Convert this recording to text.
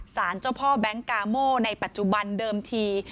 สารเจ้าพ่อแบงค์กาโมในปัจจุบันเดิมที